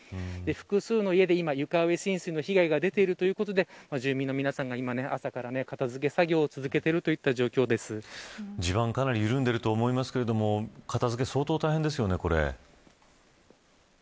複数の家で、今床上浸水の被害が出ているということで住民の皆さまが朝から片付け作業を続けている地盤かなり緩んでいると思いますが片付け相当大変ですよね、これ。